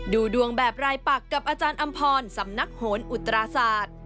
ดูดวงแบบรายปักกับอาจารย์อำพรสำนักโหนอุตราศาสตร์